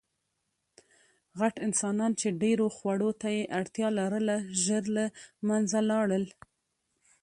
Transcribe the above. غټ انسانان، چې ډېرو خوړو ته یې اړتیا لرله، ژر له منځه لاړل.